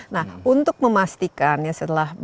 nah untuk memastikan ya setelah